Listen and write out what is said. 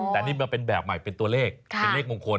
แต่นี่มันเป็นแบบใหม่เป็นตัวเลขเป็นเลขมงคล